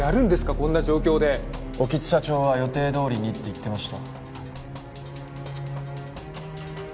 こんな状況で興津社長は予定どおりにって言ってました